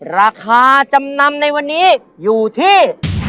ราคาจำนำในวันนี้อยู่ที่